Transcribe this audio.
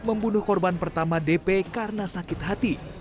membunuh korban pertama dp karena sakit hati